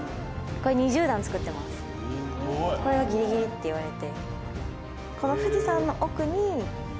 これがギリギリって言われて。